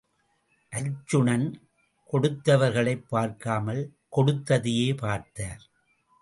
அர்ச்சுனன், கொடுத்தவர்களைப் பார்க்காமல், கொடுத்ததையே பார்த்தார்.